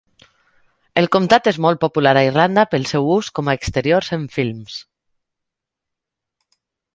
El comtat és molt popular a Irlanda pel seu ús com a exteriors en films.